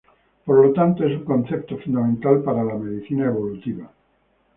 Por lo tanto, es un concepto fundamental para la medicina evolutiva.